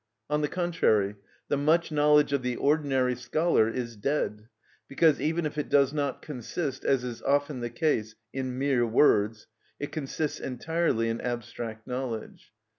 On the contrary, the much knowledge of the ordinary scholar is dead, because even if it does not consist, as is often the case, in mere words, it consists entirely in abstract knowledge.